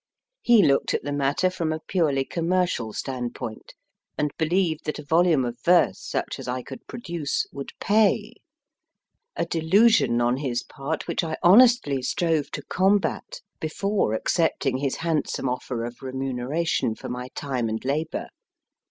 He looked at the matter from a purely commercial standpoint, and believed that a volume of verse, such as I could produce, would pay a delusion on his part which I honestly strove to combat before accepting his handsome offer of remuneration for my time and labour.